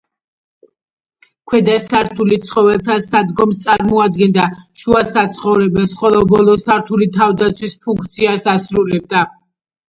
ქვედა სართული ცხოველთა სადგომს წარმოადგენდა, შუა საცხოვრებელს, ხოლო ბოლო სართული თავდაცვის ფუნქციას ასრულებდა.